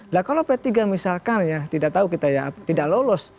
nah kalau p tiga misalkan ya tidak tahu kita ya tidak lolos